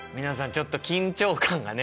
ちょっと緊張感がね。